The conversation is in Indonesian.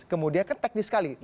kemudian kan teknis sekali